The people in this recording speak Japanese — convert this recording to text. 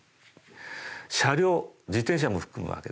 車両自転車も含むわけですね。